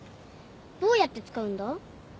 どうやって使うんだ？